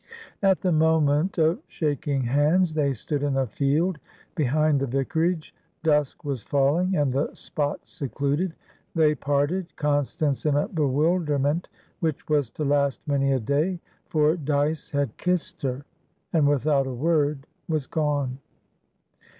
At the moment of shaking hands, they stood in a field behind the vicarage; dusk was falling and the spot secluded. They parted, Constance in a bewilderment which was to last many a day; for Dyce had kissed her, and without a word was gone.